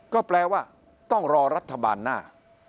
ก็แปลว่าต้องรอรัฐบาลหน้า